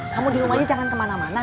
kamu di rumah aja jangan kemana mana